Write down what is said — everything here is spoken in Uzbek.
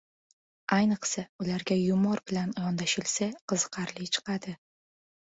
ayniqsa, ularga yumor bilan yondashilsa, qiziqarli chiqadi.